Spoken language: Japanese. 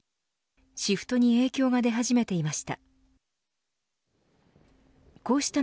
シフトに影響が出始めていました。